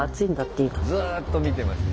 ずっと見てます。